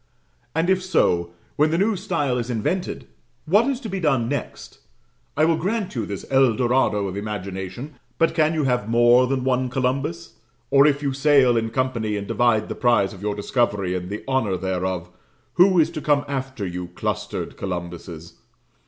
And if so, when the new style is invented, what is to be done next? I will grant you this Eldorado of imagination but can you have more than one Columbus? Or, if you sail in company, and divide the prize of your discovery and the honour thereof, who is to come after you clustered Columbuses?